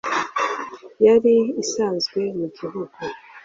Yari isanzwe mu gihugu .